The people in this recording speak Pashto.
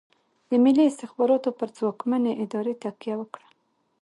د ملي استخباراتو پر ځواکمنې ادارې تکیه وکړه.